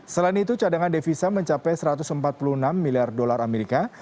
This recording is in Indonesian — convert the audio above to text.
selain itu cadangan devisa mencapai satu ratus empat puluh enam miliar dolar amerika